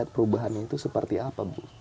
perubahan itu seperti apa bu